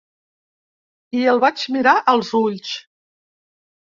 I el vaig mirar als ulls.